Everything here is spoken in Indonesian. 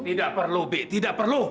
tidak perlu b tidak perlu